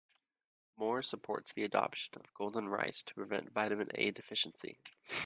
Moore supports the adoption of golden rice to prevent vitamin A deficiency.